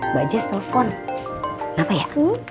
mbak jess telpon kenapa ya